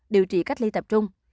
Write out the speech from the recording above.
điều trị cách ly tập trung